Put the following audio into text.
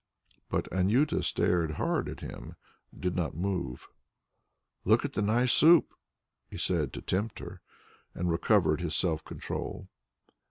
But Anjuta stared hard at him and did not move. "Look at the nice soup," he said to tempt her and recovered his self control.